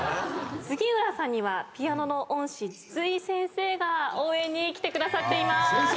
杉浦さんにはピアノの恩師筒井先生が応援に来てくださっています。